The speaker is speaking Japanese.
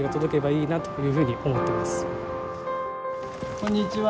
こんにちは。